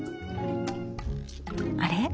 あれ？